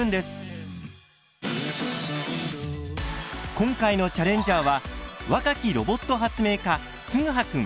今回のチャレンジャーは若きロボット発明家つぐはくん。